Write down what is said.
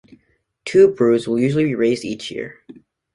Two broods will usually be raised each year.